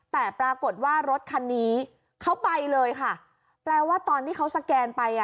แต่ปรากฏว่ารถคันนี้เขาไปเลยค่ะแปลว่าตอนที่เขาสแกนไปอ่ะ